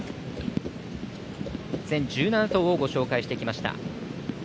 全１７頭をご紹介してきました。